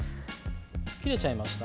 切れちゃいました？